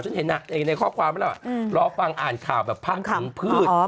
ฉันเห็นในข้อความแล้วรอฟังอ่านข่าวแบบภาคภูมิพืช